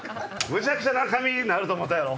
むちゃくちゃな髪になると思ったやろ？